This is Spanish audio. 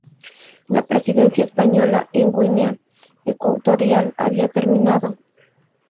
La presencia española en Guinea Ecuatorial había terminado.